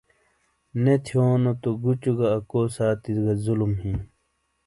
نے تھیونوتو گوچوگہ اکو ساتی گہ ظلم ہی ۔